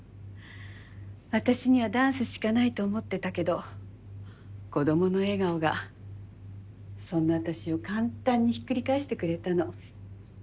私にはダンスしかないと思ってたけど子供の笑顔がそんな私を簡単にひっくり返してくれたの。